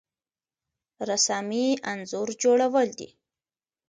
رسامي انځور جوړول دي